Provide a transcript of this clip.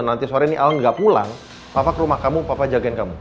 nanti sore nih al gak pulang papa ke rumah kamu papa jagain kamu